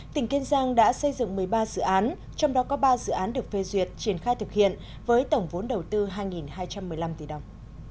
tỉnh kiên giang đã xây dựng một mươi ba dự án trong đó có ba dự án được phê duyệt triển khai thực hiện với tổng vốn đầu tư hai hai trăm một mươi năm tỷ đồng